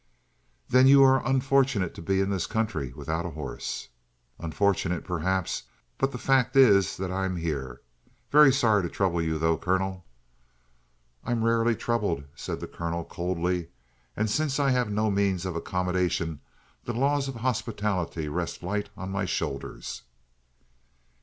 "Then you are unfortunate to be in this country without a horse." "Unfortunate, perhaps, but the fact is that I'm here. Very sorry to trouble you, though, colonel." "I am rarely troubled," said the colonel coldly. "And since I have no means of accommodation, the laws of hospitality rest light on my shoulders."